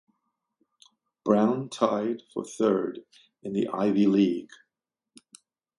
Brown tied for third in the Ivy League.